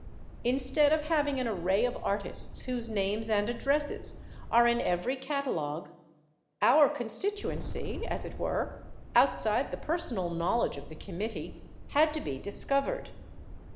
Instead of having an array of artists whose names and addresses are in every catalogue, our constituency, as it were, outside the personal knowledge of the Committee, had to be discovered.